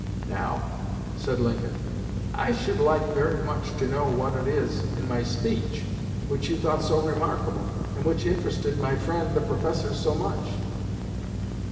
"Now," said Lincoln, "I should like very much to know what it is in my speech which you thought so remarkable, and which interested my friend the professor so much."